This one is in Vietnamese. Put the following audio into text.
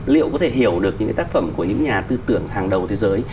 liệu có thể hiểu được những cái tác phẩm của những nhà tư tưởng hàng đầu thế giới